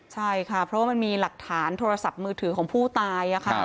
ใช่ค่ะเพราะว่ามันมีหลักฐานโทรศัพท์มือถือของผู้ตาย